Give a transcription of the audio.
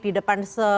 di depan seluruh